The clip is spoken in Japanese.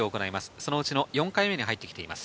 そのうちの４回目に入ってきています。